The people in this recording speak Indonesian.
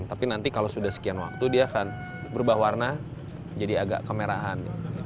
tapi nanti kalau sudah sekian waktu dia akan berubah warna jadi agak kemerahan